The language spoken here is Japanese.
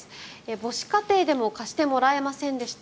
母子家庭でも貸してもらえませんでした。